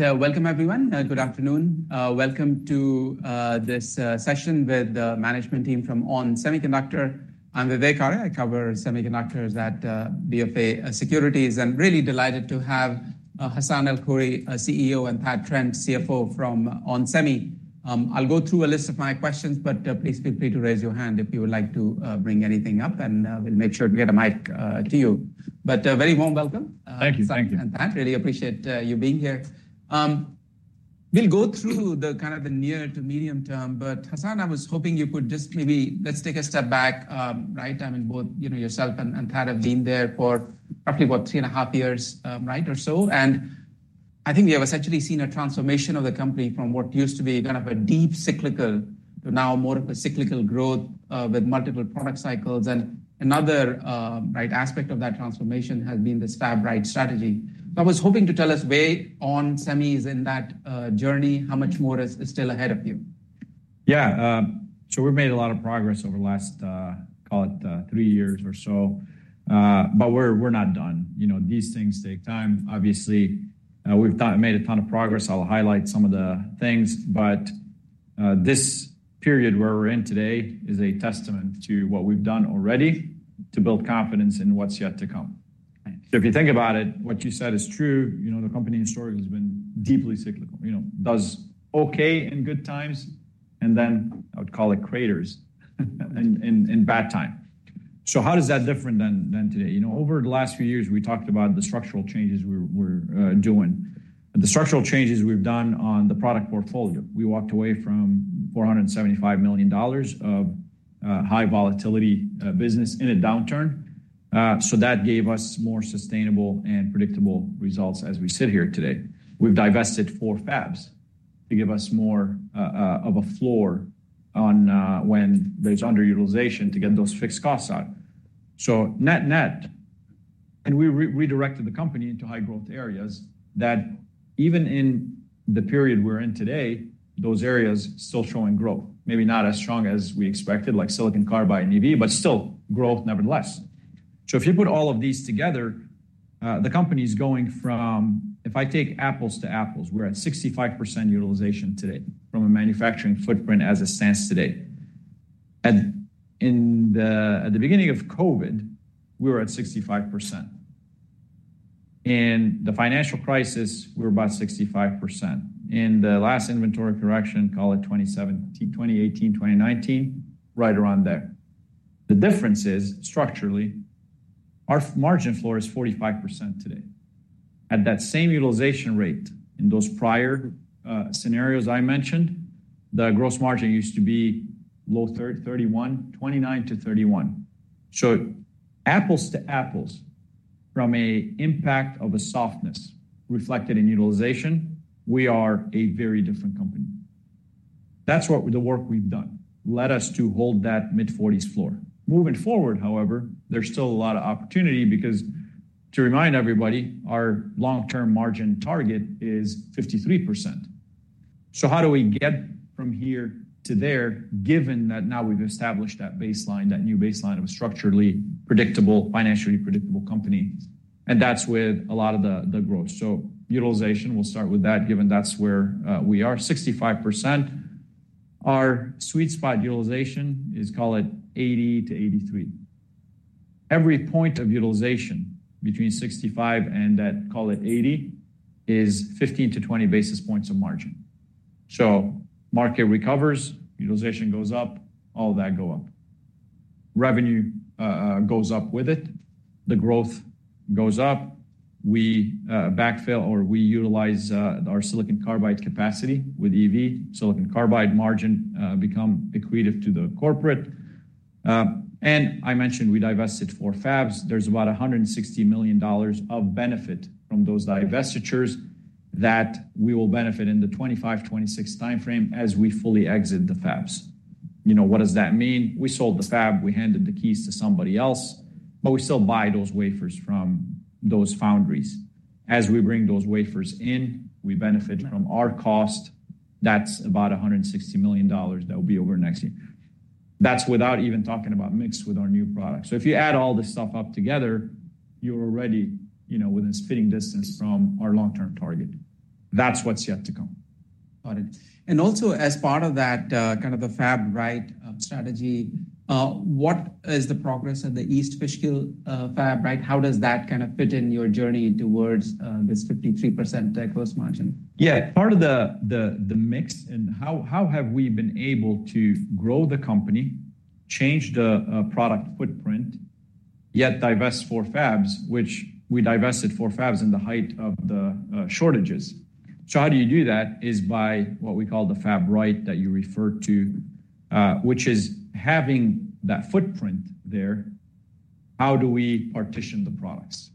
Welcome, everyone. Good afternoon. Welcome to this session with the management team from On Semiconductor. I'm Vivek Arya. I cover semiconductors at BofA Securities, and really delighted to have Hassane El-Khoury, our CEO, and Thad Trent, CFO from On Semi. I'll go through a list of my questions, but please feel free to raise your hand if you would like to bring anything up, and we'll make sure to get a mic to you. But a very warm welcome- Thank you. Thank you. Hassane and Thad. Really appreciate you being here. We'll go through the kind of the near to medium term, but, Hassane, I was hoping you could just maybe let's take a step back, right? I mean, both, you know, yourself and, and Thad have been there for roughly about 3.5 years, right, or so. And another, right, aspect of that transformation has been this Fab Right strategy. I was hoping to tell us where onsemi is in that journey, how much more is still ahead of you. Yeah, so we've made a lot of progress over the last, call it, three years or so. But we're not done. You know, these things take time. Obviously, we've made a ton of progress. I'll highlight some of the things, but this period where we're in today is a testament to what we've done already to build confidence in what's yet to come. Right. So if you think about it, what you said is true. You know, the company's story has been deeply cyclical. You know, does okay in good times, and then I would call it craters in bad time. So how does that different than today? You know, over the last few years, we talked about the structural changes we're doing. The structural changes we've done on the product portfolio, we walked away from $475 million of high volatility business in a downturn. So that gave us more sustainable and predictable results as we sit here today. We've divested four fabs to give us more of a floor on when there's underutilization to get those fixed costs out. So net-net, we re-redirected the company into high growth areas that even in the period we're in today, those areas still showing growth. Maybe not as strong as we expected, like silicon carbide and EV, but still growth nevertheless. So if you put all of these together, the company's going from-- If I take apples to apples, we're at 65% utilization today from a manufacturing footprint as it stands today. And in the, at the beginning of COVID, we were at 65%. In the financial crisis, we were about 65%. In the last inventory correction, call it 2017, 2018, 2019, right around there. The difference is, structurally, our margin floor is 45% today. At that same utilization rate in those prior scenarios I mentioned, the gross margin used to be low 30, 31, 29%-31%. So apples to apples, from an impact of a softness reflected in utilization, we are a very different company. That's what the work we've done, led us to hold that mid-forties floor. Moving forward, however, there's still a lot of opportunity because to remind everybody, our long-term margin target is 53%. So how do we get from here to there, given that now we've established that baseline, that new baseline of a structurally predictable, financially predictable company? And that's with a lot of the growth. So utilization, we'll start with that, given that's where we are, 65%. Our sweet spot utilization is, call it, 80-83. Every point of utilization between 65 and, call it, 80, is 15-20 basis points of margin. So market recovers, utilization goes up, all that go up. Revenue goes up with it. The growth goes up. We, backfill, or we utilize, our silicon carbide capacity with EV. Silicon carbide margin, become accretive to the corporate. And I mentioned we divested 4 fabs. There's about $160 million of benefit from those divestitures that we will benefit in the 2025, 2026 timeframe as we fully exit the fabs. You know, what does that mean? We sold the fab, we handed the keys to somebody else, but we still buy those wafers from those foundries. As we bring those wafers in, we benefit from our cost. That's about $160 million that will be over next year. That's without even talking about mix with our new products. So if you add all this stuff up together, you're already, you know, within spitting distance from our long-term target. That's what's yet to come. Got it. And also as part of that, kind of the fab-right strategy, what is the progress of the East Fishkill fab, right? How does that kind of fit in your journey towards this 53% gross margin? Yeah. Part of the mix and how have we been able to grow the company, change the product footprint, yet divest four fabs, which we divested four fabs in the height of the shortages. So how do you do that? Is by what we call the fab right, that you referred to, which is having that footprint there, how do we partition the products?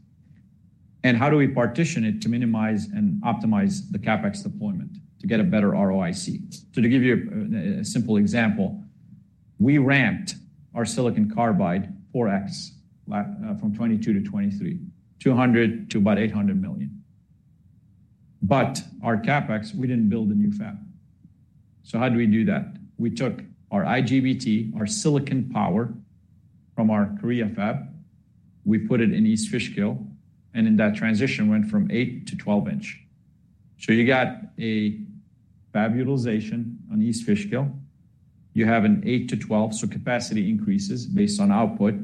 And how do we partition it to minimize and optimize the CapEx deployment to get a better ROIC? So to give you a simple example, we ramped our silicon carbide 4x from 2022 to 2023, $200 million to about $800 million. But our CapEx, we didn't build a new fab. So how do we do that? We took our IGBT, our silicon power from our Korea fab, we put it in East Fishkill, and in that transition went from 8- to 12-inch. So you got a fab utilization on East Fishkill. You have an 8- to 12-, so capacity increases based on output,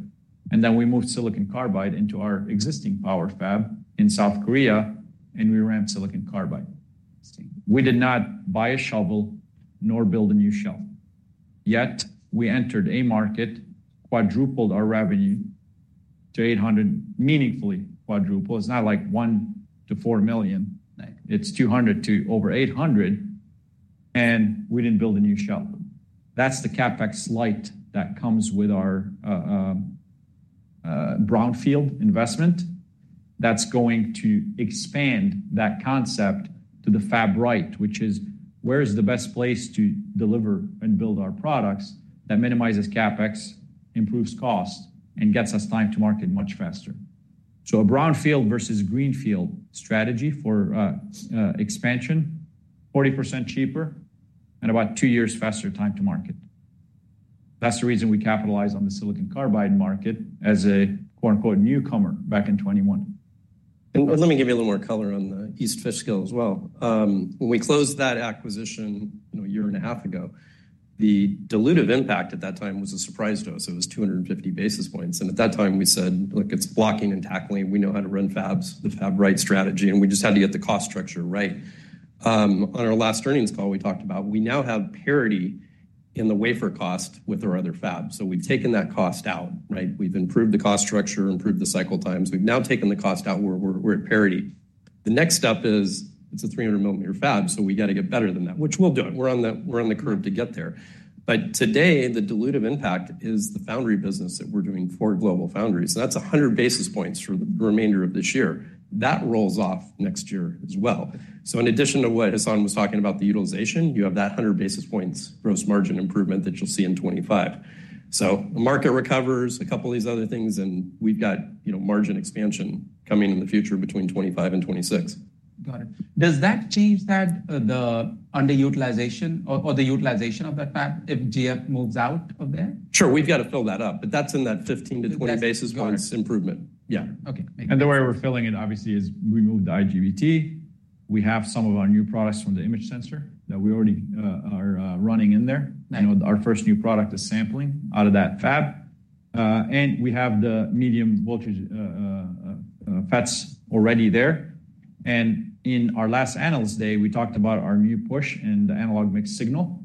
and then we moved silicon carbide into our existing power fab in South Korea, and we ran silicon carbide. We did not buy a shovel nor build a new fab, yet we entered a market, quadrupled our revenue to $800, meaningfully quadruple. It's not like $1-$4 million- Right. It's 200 to over 800, and we didn't build a new shelf. That's the CapEx light that comes with our brownfield investment. That's going to expand that concept to the fab-right, which is: where is the best place to deliver and build our products that minimizes CapEx, improves cost, and gets us time to market much faster? So a brownfield versus greenfield strategy for expansion, 40% cheaper and about 2 years faster time to market. That's the reason we capitalize on the silicon carbide market as a, quote, unquote, "newcomer" back in 2021. Let me give you a little more color on the East Fishkill as well. When we closed that acquisition, you know, a year and a half ago, the dilutive impact at that time was a surprise to us. It was 250 basis points, and at that time we said, "Look, it's blocking and tackling. We know how to run fabs, the fab-right strategy, and we just had to get the cost structure right." On our last earnings call, we talked about we now have parity in the wafer cost with our other fabs. So we've taken that cost out, right? We've improved the cost structure, improved the cycle times. We've now taken the cost out, we're at parity. The next step is it's a 300 millimeter fab, so we got to get better than that, which we'll do. We're on the, we're on the curve to get there. But today, the dilutive impact is the foundry business that we're doing for GlobalFoundries, and that's 100 basis points for the remainder of this year. That rolls off next year as well. So in addition to what Hassane was talking about, the utilization, you have that 100 basis points gross margin improvement that you'll see in 2025. So the market recovers a couple of these other things, and we've got, you know, margin expansion coming in the future between 2025 and 2026. Got it. Does that change that, the underutilization or the utilization of that fab if GF moves out of there? Sure, we've got to fill that up, but that's in that 15-20 basis points improvement. Got it. Yeah. Okay, thank you. The way we're filling it, obviously, is we moved the IGBT. We have some of our new products from the image sensor that we already are running in there. Right. Our first new product is sampling out of that fab. We have the medium voltage FETs already there. In our last Analyst Day, we talked about our new push in the analog mixed signal.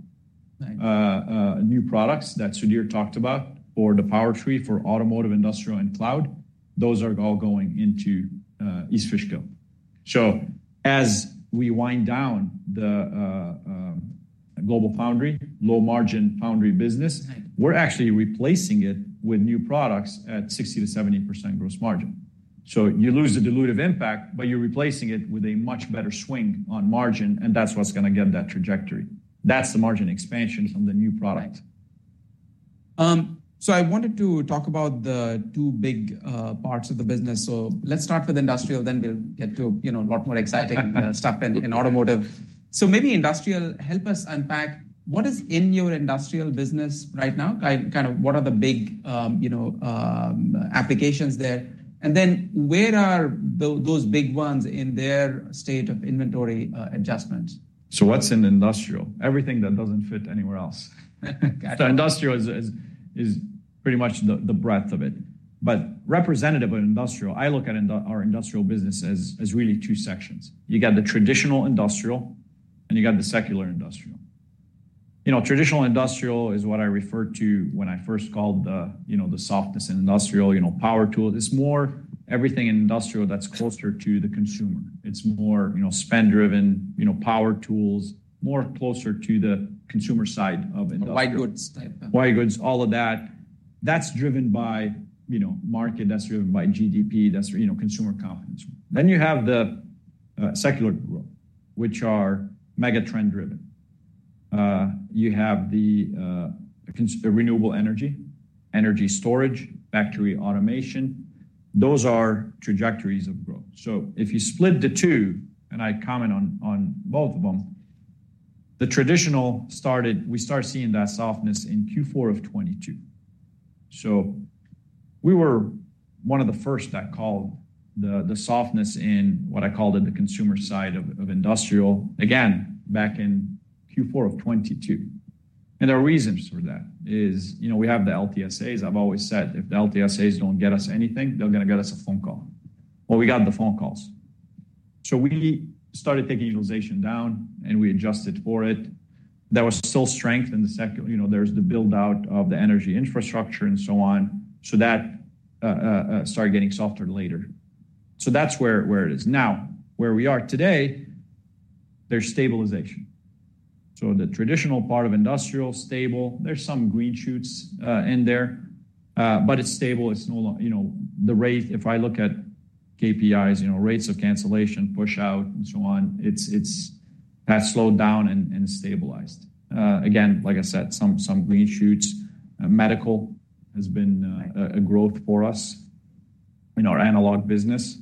Right. New products that Sudhir talked about for the power tree, for automotive, industrial, and cloud, those are all going into East Fishkill. So as we wind down the GlobalFoundries, low-margin foundry business- Right... we're actually replacing it with new products at 60%-70% gross margin. So you lose the dilutive impact, but you're replacing it with a much better swing on margin, and that's what's gonna get that trajectory. That's the margin expansion from the new product. Right. So I wanted to talk about the two big parts of the business. So let's start with industrial, then we'll get to, you know, a lot more exciting stuff in automotive. So maybe industrial, help us unpack what is in your industrial business right now, kind of what are the big applications there, and then where are those big ones in their state of inventory adjustments? What's in industrial? Everything that doesn't fit anywhere else. Got it. So industrial is pretty much the breadth of it, but representative of industrial, I look at our industrial business as really two sections. You got the traditional industrial, and you got the secular industrial. You know, traditional industrial is what I referred to when I first called the, you know, the softness in industrial, you know, power tool. It's more everything in industrial that's closer to the consumer. It's more, you know, spend driven, you know, power tools, more closer to the consumer side of industrial. White goods type, yeah. White goods, all of that. That's driven by, you know, market, that's driven by GDP, that's, you know, consumer confidence. Then you have the secular group, which are megatrend driven. You have the renewable energy, energy storage, factory automation. Those are trajectories of growth. So if you split the two, and I comment on both of them, the traditional, we started seeing that softness in Q4 of 2022. So we were one of the first that called the softness in what I called it, the consumer side of industrial, again, back in Q4 of 2022. And there are reasons for that, is, you know, we have the LTSAs. I've always said, if the LTSAs don't get us anything, they're gonna get us a phone call. Well, we got the phone calls. So we started taking utilization down, and we adjusted for it. There was still strength in the second... You know, there's the build-out of the energy infrastructure and so on. So that started getting softer later. So that's where it is. Now, where we are today, there's stabilization. So the traditional part of industrial, stable, there's some green shoots in there, but it's stable. You know, the rate, if I look at KPIs, you know, rates of cancellation, pushout, and so on, it's has slowed down and stabilized. Again, like I said, some green shoots. Medical has been- Right a growth for us in our analog business.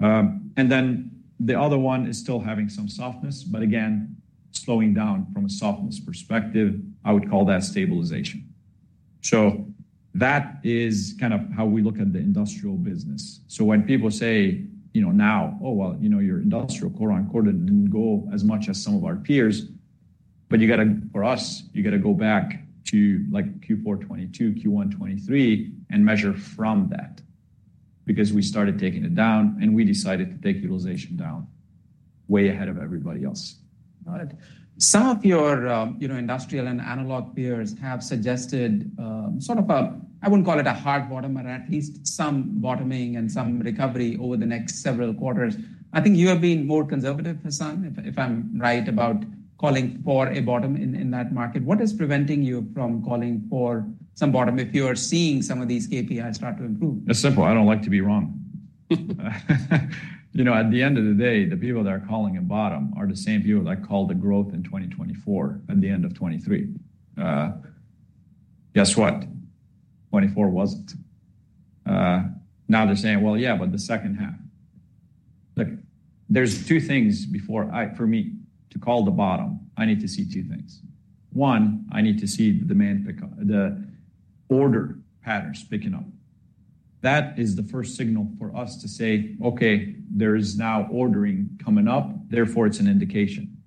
And then the other one is still having some softness, but again, slowing down from a softness perspective, I would call that stabilization. So that is kind of how we look at the industrial business. So when people say, you know, now, "Oh, well, you know, your industrial quarter-over-quarter didn't go as much as some of our peers," but you gotta, for us, you gotta go back to, like, Q4 2022, Q1 2023, and measure from that. Because we started taking it down, and we decided to take utilization down way ahead of everybody else. Got it. Some of your, you know, industrial and analog peers have suggested, sort of a, I wouldn't call it a hard bottom, but at least some bottoming and some recovery over the next several quarters. I think you have been more conservative, Hassane, if, if I'm right about calling for a bottom in, in that market. What is preventing you from calling for some bottom if you are seeing some of these KPIs start to improve? It's simple. I don't like to be wrong. You know, at the end of the day, the people that are calling a bottom are the same people that called a growth in 2024, at the end of 2023. Guess what? 2024 wasn't. Now they're saying, "Well, yeah, but the second half." Look, there's two things before I, for me, to call the bottom, I need to see two things. One, I need to see the demand pick up, the order patterns picking up. That is the first signal for us to say, "Okay, there is now ordering coming up, therefore it's an indication."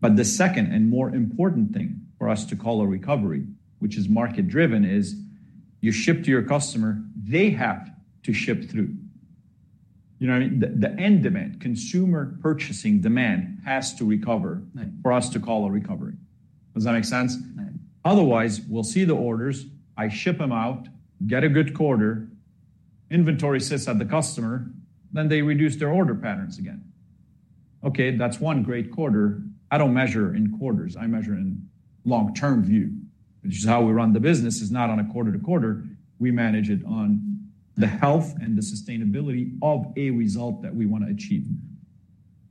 But the second and more important thing for us to call a recovery, which is market-driven, is you ship to your customer, they have to ship through. You know what I mean? The end demand, consumer purchasing demand, has to recover. Right. for us to call a recovery. Does that make sense? Right. Otherwise, we'll see the orders, I ship them out, get a good quarter, inventory sits at the customer, then they reduce their order patterns again. Okay, that's one great quarter. I don't measure in quarters, I measure in long-term view, which is how we run the business, is not on a quarter to quarter. We manage it on the health and the sustainability of a result that we wanna achieve.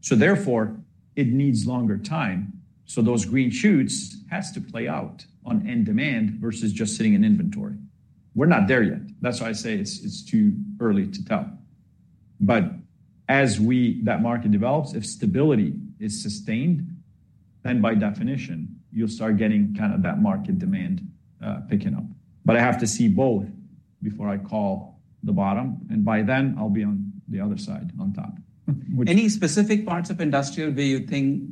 So therefore, it needs longer time. So those green shoots has to play out on end demand versus just sitting in inventory. We're not there yet. That's why I say it's too early to tell. But as we... that market develops, if stability is sustained, then by definition, you'll start getting kind of that market demand picking up. But I have to see both before I call the bottom, and by then, I'll be on the other side, on top. Any specific parts of industrial where you think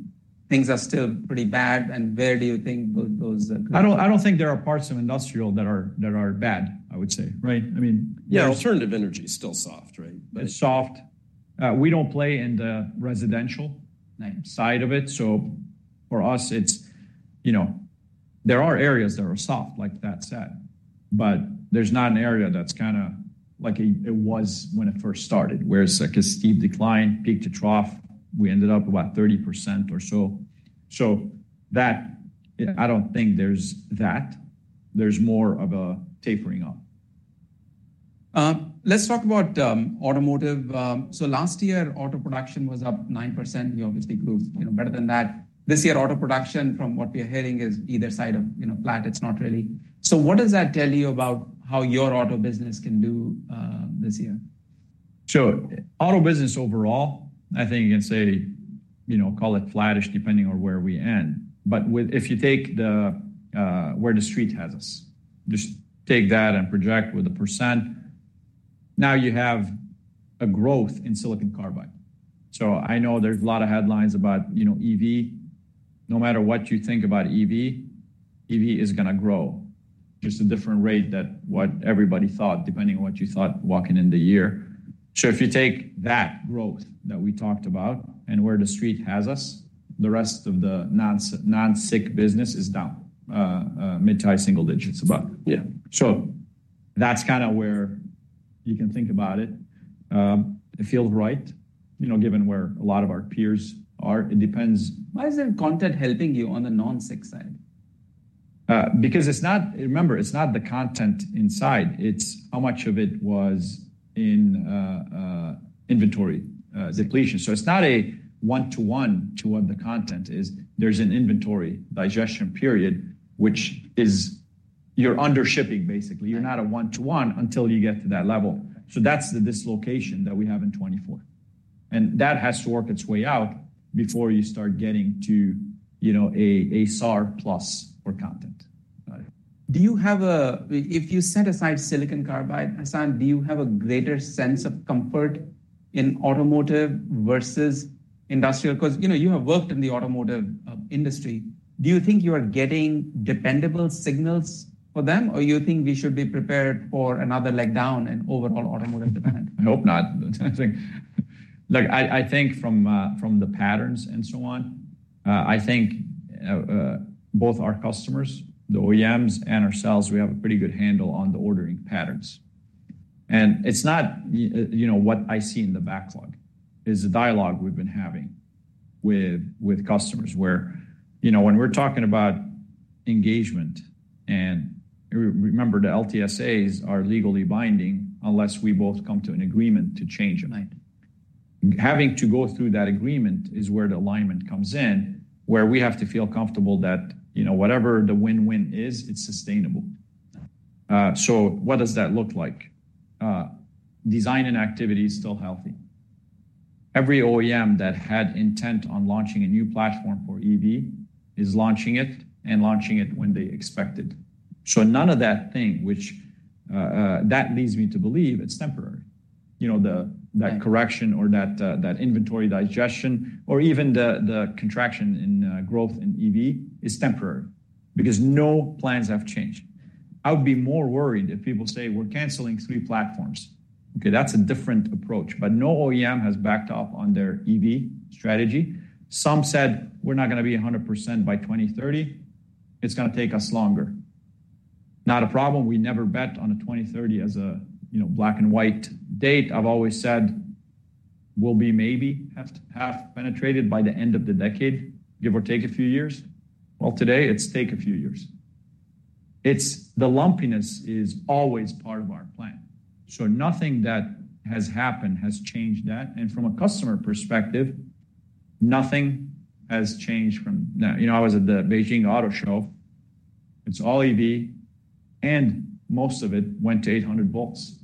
things are still pretty bad, and where do you think those? I don't think there are parts of industrial that are bad, I would say, right? I mean, yeah. Alternative energy is still soft, right? It's soft. We don't play in the residential- Right... side of it. So for us, it's, you know, there are areas that are soft, like that set, but there's not an area that's kinda like a-- it was when it first started, where it's like a steep decline, peak to trough. We ended up about 30% or so. So that, I don't think there's that. There's more of a tapering off. Let's talk about automotive. So last year, auto production was up 9%. You obviously grew, you know, better than that. This year, auto production, from what we're hearing, is either side of, you know, flat, it's not really. So what does that tell you about how your auto business can do this year? Sure. Auto business overall, I think you can say, you know, call it flattish, depending on where we end. But with if you take the where the Street has us, just take that and project with 1%, now you have a growth in silicon carbide. So I know there's a lot of headlines about, you know, EV. No matter what you think about EV, EV is gonna grow, just a different rate than what everybody thought, depending on what you thought walking in the year. So if you take that growth that we talked about and where the Street has us, the rest of the non-SiC business is down mid- to high-single digits. About it. Yeah. So that's kinda where you can think about it. It feels right, you know, given where a lot of our peers are. It depends- Why isn't content helping you on the non-SiC side? Because it's not... Remember, it's not the content inside, it's how much of it was in inventory depletion. So it's not a one-to-one to what the content is. There's an inventory digestion period, which is you're under shipping, basically. Right. You're not a 1:1 until you get to that level. Right. So that's the dislocation that we have in 2024. And that has to work its way out before you start getting to, you know, a SAR plus for content. Got it. Do you have – if you set aside silicon carbide, Hassane, do you have a greater sense of comfort in automotive versus industrial? 'Cause, you know, you have worked in the automotive industry. Do you think you are getting dependable signals for them, or you think we should be prepared for another leg down in overall automotive demand? I hope not. Look, I think from the patterns and so on, I think both our customers, the OEMs and ourselves, we have a pretty good handle on the ordering patterns. And it's not, you know, what I see in the backlog. It's the dialogue we've been having with customers, where, you know, when we're talking about engagement, and remember, the LTSAs are legally binding unless we both come to an agreement to change them. Right.... Having to go through that agreement is where the alignment comes in, where we have to feel comfortable that, you know, whatever the win-win is, it's sustainable. So what does that look like? Design and activity is still healthy. Every OEM that had intent on launching a new platform for EV is launching it and launching it when they expected. So none of that thing, which, that leads me to believe it's temporary. You know, the- Right... that correction or that, that inventory digestion or even the, the contraction in, growth in EV is temporary because no plans have changed. I would be more worried if people say, "We're canceling 3 platforms." Okay, that's a different approach, but no OEM has backed off on their EV strategy. Some said, "We're not gonna be 100% by 2030. It's gonna take us longer." Not a problem. We never bet on a 2030 as a, you know, black-and-white date. I've always said we'll be maybe half, half penetrated by the end of the decade, give or take a few years. Well, today it's take a few years. It's the lumpiness is always part of our plan, so nothing that has happened has changed that, and from a customer perspective, nothing has changed from that. You know, I was at the Beijing Auto Show. It's all EV, and most of it went to 800 volts.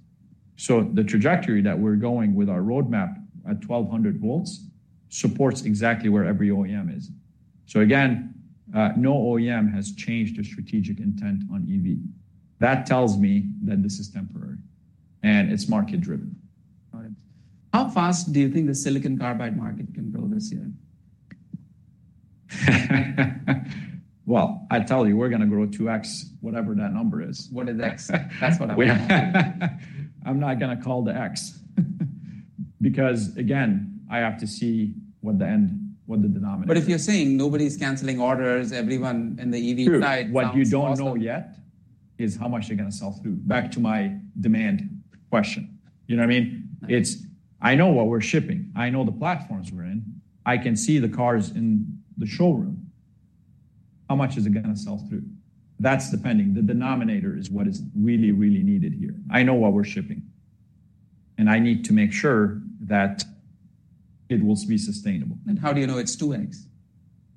So the trajectory that we're going with our roadmap at 1200 volts supports exactly where every OEM is. So again, no OEM has changed their strategic intent on EV. That tells me that this is temporary, and it's market-driven. Got it. How fast do you think the silicon carbide market can grow this year? Well, I tell you, we're gonna grow 2x, whatever that number is. What is X? That's what I want to know. I'm not gonna call the X, because, again, I have to see what the end, what the denominator- But if you're saying nobody's canceling orders, everyone in the EV side- What you don't know yet is how much they're gonna sell through. Back to my demand question. You know what I mean? Right. It's. I know what we're shipping. I know the platforms we're in. I can see the cars in the showroom. How much is it gonna sell through? That's depending. The denominator is what is really, really needed here. I know what we're shipping, and I need to make sure that it will be sustainable. How do you know it's 2x?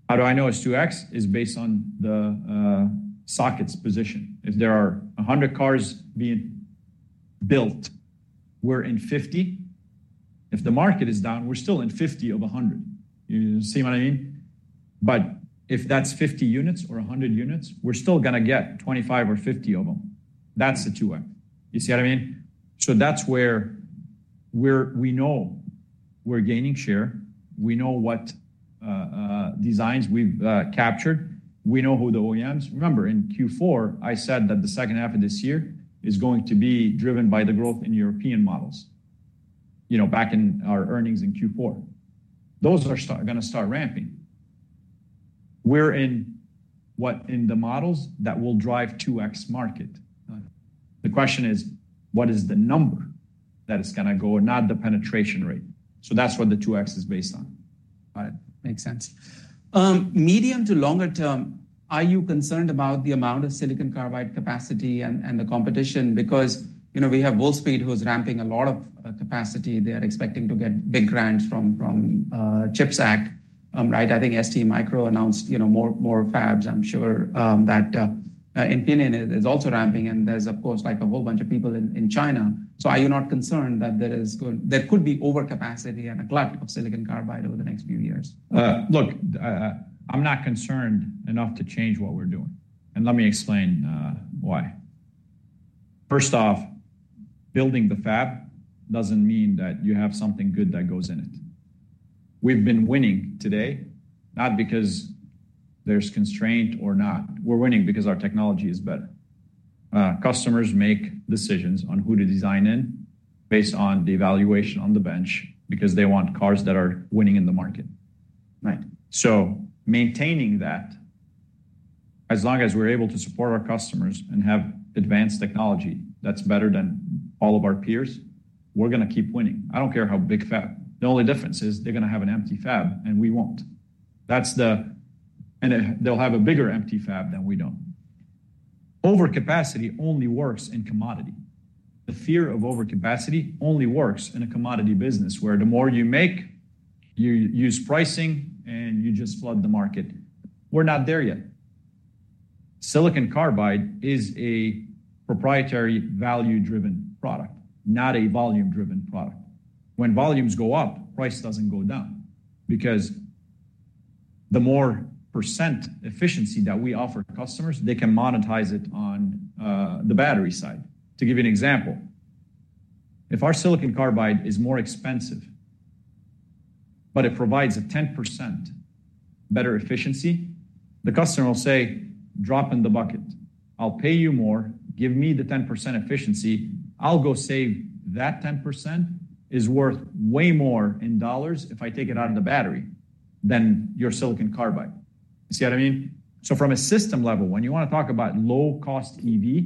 How do I know it's 2x? It's based on the sockets position. If there are 100 cars being built, we're in 50. If the market is down, we're still in 50 of 100. You see what I mean? But if that's 50 units or 100 units, we're still gonna get 25 or 50 of them. That's the 2x. You see what I mean? So that's where we know we're gaining share, we know what designs we've captured, we know who the OEMs... Remember, in Q4, I said that the second half of this year is going to be driven by the growth in European models. You know, back in our earnings in Q4. Those are gonna start ramping. We're in what, in the models that will drive 2x market. Right. The question is, what is the number that is gonna go and not the penetration rate? So that's what the 2x is based on. Got it. Makes sense. Medium to longer term, are you concerned about the amount of silicon carbide capacity and the competition? Because, you know, we have Wolfspeed who is ramping a lot of capacity. They are expecting to get big grants from the CHIPS Act, right. I think STMicro announced, you know, more fabs. I'm sure that Infineon is also ramping, and there's, of course, like a whole bunch of people in China. So are you not concerned that there is going—there could be overcapacity and a glut of silicon carbide over the next few years? Look, I'm not concerned enough to change what we're doing, and let me explain why. First off, building the fab doesn't mean that you have something good that goes in it. We've been winning today, not because there's constraint or not. We're winning because our technology is better. Customers make decisions on who to design in based on the evaluation on the bench because they want cars that are winning in the market. Right. So maintaining that, as long as we're able to support our customers and have advanced technology that's better than all of our peers, we're gonna keep winning. I don't care how big fab. The only difference is they're gonna have an empty fab, and we won't. That's the-- they'll have a bigger empty fab than we don't. Overcapacity only works in commodity. The fear of overcapacity only works in a commodity business, where the more you make, you use pricing, and you just flood the market. We're not there yet. Silicon Carbide is a proprietary value-driven product, not a volume-driven product. When volumes go up, price doesn't go down because the more percent efficiency that we offer customers, they can monetize it on the battery side. To give you an example, if our silicon carbide is more expensive, but it provides a 10% better efficiency, the customer will say, "Drop in the bucket. I'll pay you more. Give me the 10% efficiency. I'll go save-- That 10% is worth way more in dollars if I take it out of the battery than your silicon carbide." You see what I mean? So from a system level, when you want to talk about low-cost EV,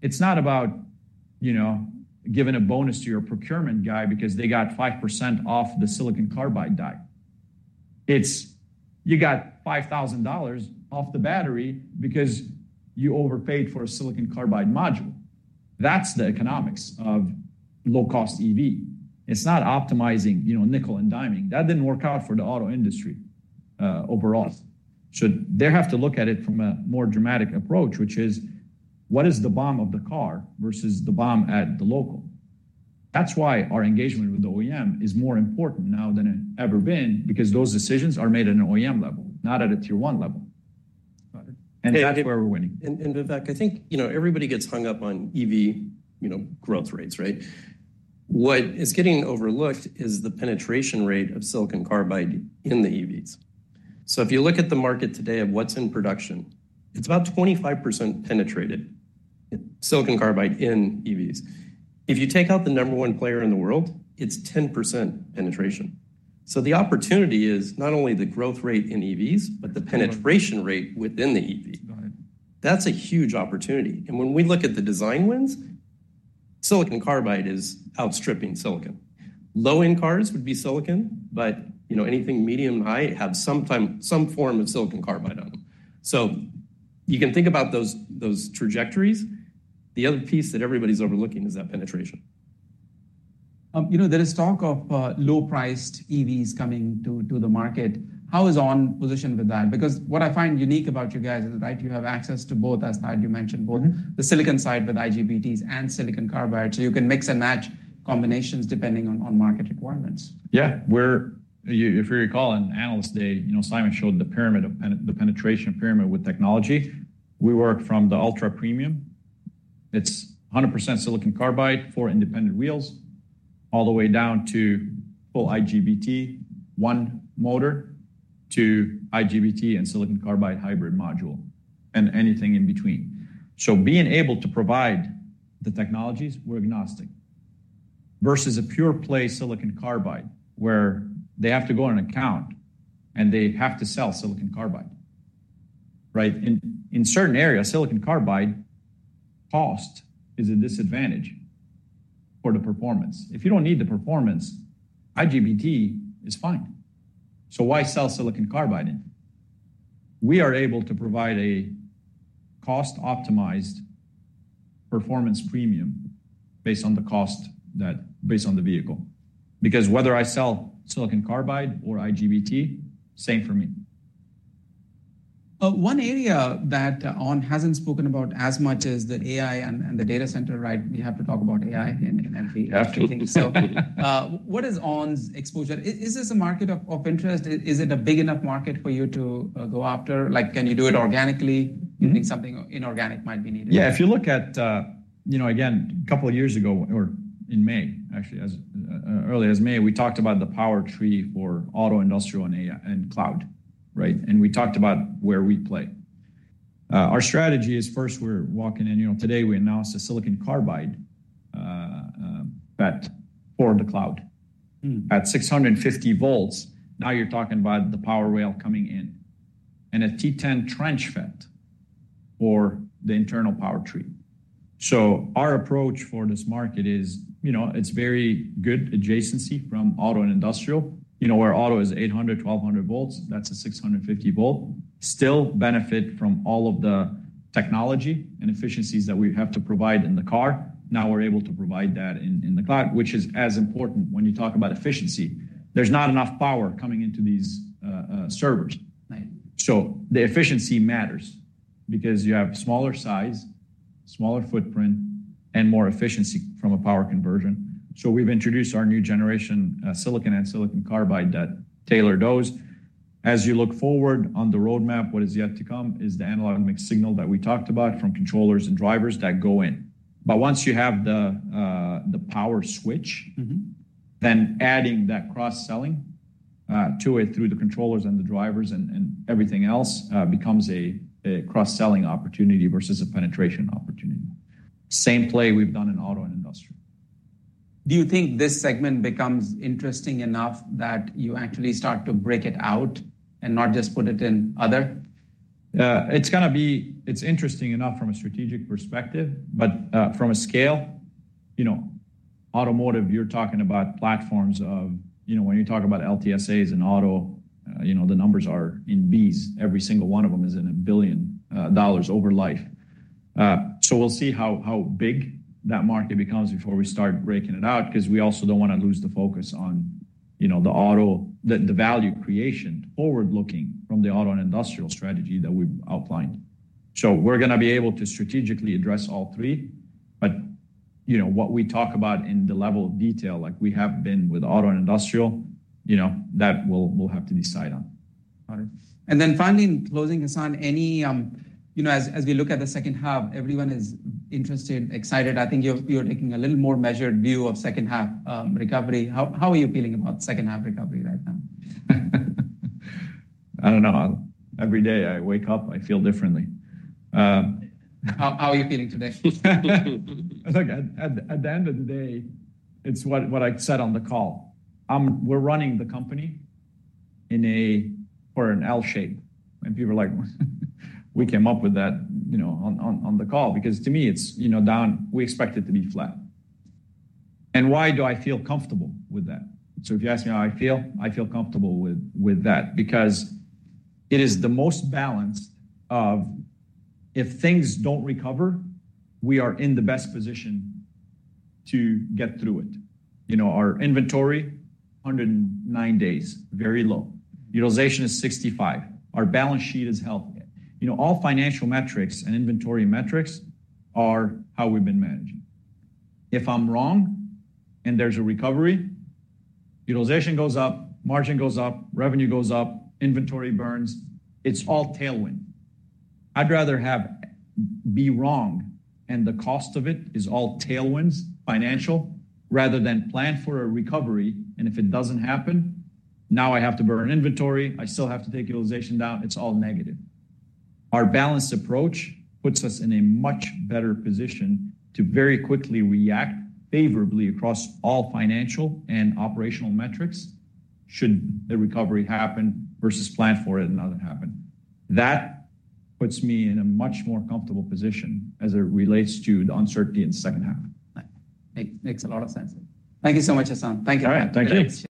it's not about, you know, giving a bonus to your procurement guy because they got 5% off the silicon carbide die. It's, you got $5,000 off the battery because you overpaid for a silicon carbide module. That's the economics of low-cost EV. It's not optimizing, you know, nickel and diming. That didn't work out for the auto industry overall. They have to look at it from a more dramatic approach, which is, what is the BOM of the car versus the BOM at the local? That's why our engagement with the OEM is more important now than it ever been, because those decisions are made at an OEM level, not at a tier one level. Got it. That's where we're winning. Vivek, I think, you know, everybody gets hung up on EV, you know, growth rates, right? What is getting overlooked is the penetration rate of silicon carbide in the EVs. So if you look at the market today of what's in production, it's about 25% penetrated, silicon carbide in EVs. If you take out the number one player in the world, it's 10% penetration. So the opportunity is not only the growth rate in EVs, but the penetration rate within the EV. Got it. That's a huge opportunity. When we look at the design wins, silicon carbide is outstripping silicon. Low-end cars would be silicon, but, you know, anything medium, high, have sometime, some form of silicon carbide on them. So you can think about those, those trajectories. The other piece that everybody's overlooking is that penetration. You know, there is talk of low-priced EVs coming to the market. How is onsemi positioned with that? Because what I find unique about you guys is that, right, you have access to both, as you mentioned- Mm-hmm... both the silicon side with IGBTs and silicon carbide. So you can mix and match combinations depending on market requirements. Yeah. If you recall, in Analyst Day, you know, Simon showed the penetration pyramid with technology. We work from the ultra-premium. It's 100% silicon carbide, four independent wheels, all the way down to full IGBT, one motor, to IGBT and silicon carbide hybrid module, and anything in between. So being able to provide the technologies, we're agnostic, versus a pure-play silicon carbide, where they have to go on an account, and they have to sell silicon carbide, right? In certain areas, silicon carbide cost is a disadvantage for the performance. If you don't need the performance, IGBT is fine. So why sell silicon carbide then? We are able to provide a cost-optimized performance premium based on the cost based on the vehicle. Because whether I sell silicon carbide or IGBT, same for me. One area that onsemi hasn't spoken about as much is the AI and, and the data center, right? We have to talk about AI and, and we- We have to. So, what is ON's exposure? Is this a market of interest? Is it a big enough market for you to go after? Like, can you do it organically? Mm-hmm.... do you think something inorganic might be needed? Yeah, if you look at, you know, again, a couple of years ago, or in May, actually, as early as May, we talked about the power tree for auto, industrial, and AI, and cloud, right? And we talked about where we play. Our strategy is, first, we're walking in. You know, today we announced a silicon carbide, at for the cloud- Mm... at 650 volts. Now you're talking about the power rail coming in. And a T10 trench FET for the internal power tree. So our approach for this market is, you know, it's very good adjacency from auto and industrial. You know, where auto is 800, 1200 volts, that's a 650 volt. Still benefit from all of the technology and efficiencies that we have to provide in the car. Now we're able to provide that in the cloud, which is as important when you talk about efficiency. There's not enough power coming into these servers. Right. The efficiency matters because you have smaller size, smaller footprint, and more efficiency from a power conversion. So we've introduced our new generation, silicon and silicon carbide that tailor those. As you look forward on the roadmap, what is yet to come is the analog mixed signal that we talked about from controllers and drivers that go in. But once you have the power switch- Mm-hmm... then adding that cross-selling to it through the controllers and the drivers and, and everything else becomes a cross-selling opportunity versus a penetration opportunity. Same play we've done in auto and industrial. Do you think this segment becomes interesting enough that you actually start to break it out and not just put it in other? It's interesting enough from a strategic perspective, but from a scale, you know, automotive, you're talking about platforms of... You know, when you talk about LTSAs in auto, you know, the numbers are in Bs. Every single one of them is in $1 billion over life. So we'll see how big that market becomes before we start breaking it out, because we also don't wanna lose the focus on, you know, the value creation forward-looking from the auto and industrial strategy that we've outlined. So we're gonna be able to strategically address all three, but, you know, what we talk about in the level of detail, like we have been with auto and industrial, you know, that we'll have to decide on. Got it. And then finally, in closing this on, you know, as we look at the second half, everyone is interested, excited. I think you're taking a little more measured view of second half recovery. How are you feeling about second half recovery right now? I don't know. Every day I wake up, I feel differently. How are you feeling today? I think at the end of the day, it's what I said on the call. We're running the company in a, or an L shape. And people are like... We came up with that, you know, on the call, because to me, it's, you know, down, we expect it to be flat. And why do I feel comfortable with that? So if you ask me how I feel, I feel comfortable with that because it is the most balanced of... If things don't recover, we are in the best position to get through it. You know, our inventory, 109 days, very low. Utilization is 65%. Our balance sheet is healthy. You know, all financial metrics and inventory metrics are how we've been managing. If I'm wrong and there's a recovery, utilization goes up, margin goes up, revenue goes up, inventory burns. It's all tailwind. I'd rather have, be wrong, and the cost of it is all tailwinds, financial, rather than plan for a recovery, and if it doesn't happen, now I have to burn inventory. I still have to take utilization down. It's all negative. Our balanced approach puts us in a much better position to very quickly react favorably across all financial and operational metrics should the recovery happen versus plan for it and not happen. That puts me in a much more comfortable position as it relates to the uncertainty in the second half. Makes a lot of sense. Thank you so much, Hassane. Thank you. All right. Thank you.